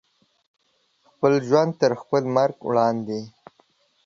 خپل ژوند تر خپل مرګ وړاندې